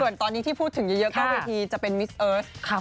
ส่วนตอนนี้ที่พูดถึงเยอะก็เวทีจะเป็นมิสเอิร์ส